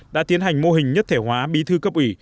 đã tiến hành mô hình nhất thể hóa bí thư cấp ủy